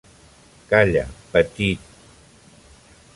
Calla, petit!